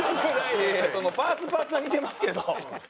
パーツパーツは似てますけど。